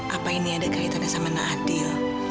apa ini ada kaitannya sama nadil